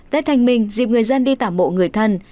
tết thanh minh dịp người dân đi tả mộ người thân